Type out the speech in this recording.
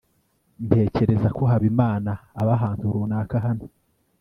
ntekereza ko habimana aba ahantu runaka hano